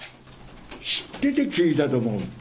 知ってて聞いたと思う。